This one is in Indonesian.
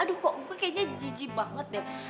aduh kok gue kayaknya jijib banget deh